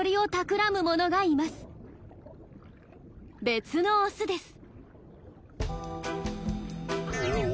別のオスです。